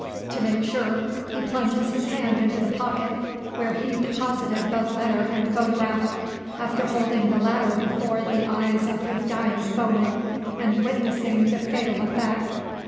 To make sure, he plunges his hand into the pocket, where he deposited both letter and photograph after holding the latter before the eyes of his dying foeman, and witnessing the fatal effect.